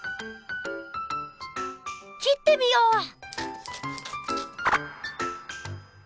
切ってみよう！